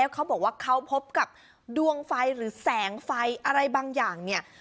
เขาบอกว่าเขาพบกับดวงไฟหรือแสงไฟอะไรบางอย่างเนี่ย